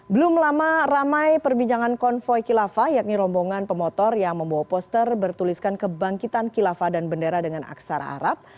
belum lama ramai perbincangan konvoy khilafah yakni rombongan pemotor yang membawa poster bertuliskan kebangkitan kilafah dan bendera dengan aksara arab